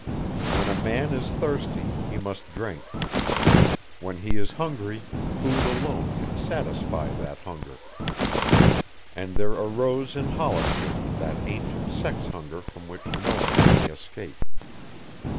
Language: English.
When a man is thirsty he must drink. When he is hungry food alone can satisfy that hunger. And there arose in Hollister that ancient sex hunger from which no man may escape.